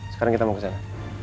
sekarang kita mau ke sana